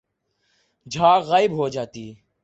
جھاگ غائب ہو جاتی